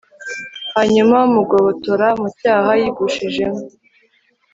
hanyuma bumugobotora mu cyaha yigushijemo